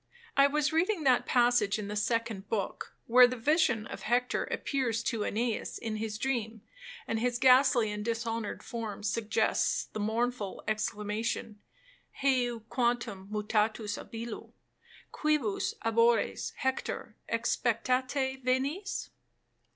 I was reading that passage in the second book, where the vision of Hector appears to Æneas in his dream, and his ghastly and dishonoured form suggests the mournful exclamation, '—Heu quantum mutatus ab illo,— —Quibus ab oris, Hector expectate venis?